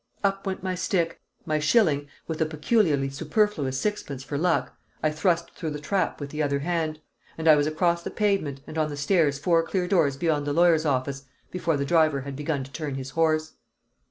Up went my stick; my shilling (with a peculiarly superfluous sixpence for luck) I thrust through the trap with the other hand; and I was across the pavement, and on the stairs four clear doors beyond the lawyer's office, before the driver had begun to turn his horse.